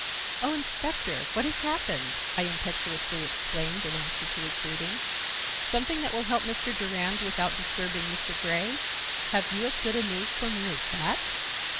"Oh, Inspector, what has happened?" I impetuously exclaimed in answer to his greeting. "Something that will help Mr. Durand without disturbing Mr. Grey—have you as good news for me as that?"